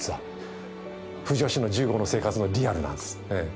婦女子の銃後の生活のリアルなんです。